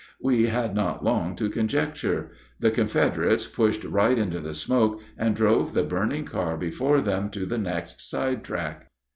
We had not long to conjecture. The Confederates pushed right into the smoke, and drove the burning car before them to the next side track.